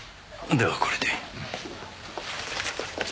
ではこれで。